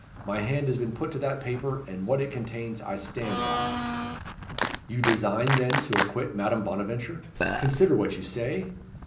My hand has been put to that paper, and what it contains I stand by." "You design, then, to acquit Madame Bonaventure? Consider what you say?"